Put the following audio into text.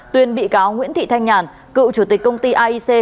tuyên bị cáo nguyễn thị thanh nhàn cựu chủ tịch công ty aic